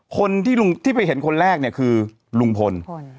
คนที่ไปเห็นคนแรกเนี่ยคือลุงพล